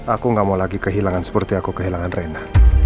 aku gak mau lagi kehilangan seperti aku kehilangan reina